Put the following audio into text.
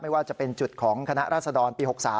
ว่าจะเป็นจุดของคณะราษฎรปี๖๓